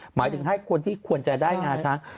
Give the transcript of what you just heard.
หมายถึงให้คนที่ควรจะได้งาช้าง